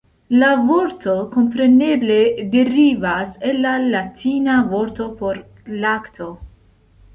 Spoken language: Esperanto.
La vorto kompreneble derivas el la latina vorto por lakto.